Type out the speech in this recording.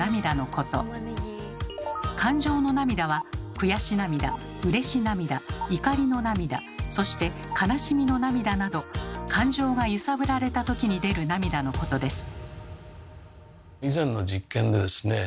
「感情の涙」は悔し涙うれし涙怒りの涙そして悲しみの涙など感情が揺さぶられたときに出る涙のことです。